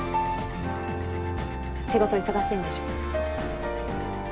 仕事忙しいんでしょ。